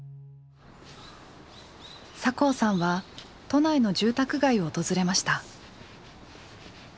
酒匂さんは都内の住宅街を訪れました。